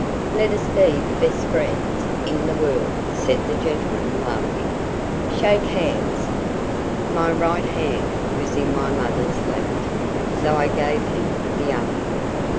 Let us be the best friends in the world!' said the gentleman, laughing. 'Shake hands!' My right hand was in my mother's left, so I gave him the other.